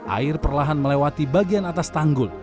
air perlahan melewati bagian atas tanggul